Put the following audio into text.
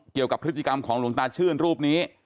เกี่ยวกับพฤติกรรมของหลวงตาชื่นรูปนี้